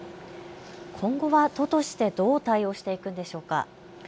今後は都としてどう対応していくんでしょうか。